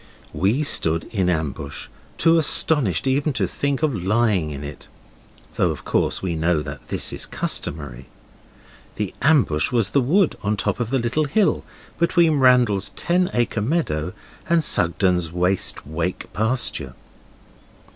We stood in ambush, too astonished even to think of lying in it, though of course we know that this is customary. The ambush was the wood on top of the little hill, between Randall's ten acre meadow and Sugden's Waste Wake pasture.